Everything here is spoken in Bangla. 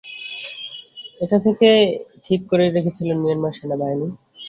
এটা আগে থেকেই ঠিক করে রেখেছিল মিয়ানমার সেনাবাহিনী।